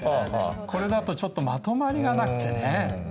これだとちょっとまとまりがなくてね。